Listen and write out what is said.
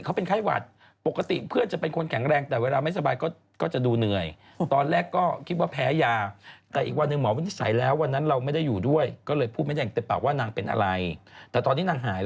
ก็เป็นอันดรอย๑ที่เสถียนสุดสุดถ่ายภาพได้สวยโดยที่ไม่ต้องงอแอปด้วยกล้องคุณภาพระดับไฮ